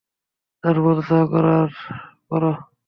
তারপর যা করার করো।